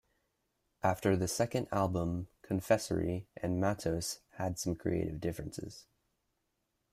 After the second album Confessori and Matos had some creative differences.